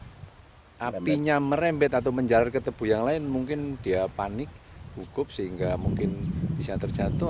kalau apinya merembet atau menjalar ke tebu yang lain mungkin dia panik hukum sehingga mungkin bisa terjatuh